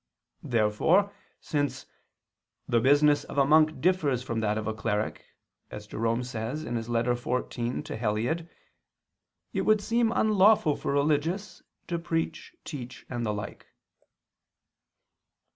Therefore since "the business of a monk differs from that of a cleric," as Jerome says (Ep. xiv ad Heliod.), it would seem unlawful for religious to preach, teach, and the like.